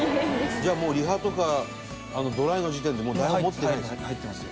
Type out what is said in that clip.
じゃあもうリハとかドライの時点でもう台本持ってないんですか？